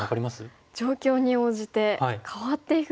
状況に応じて変わっていくんですね。